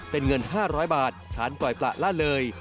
เป็นเงิน๕๐๐บาทฐานปล่อยประละเลย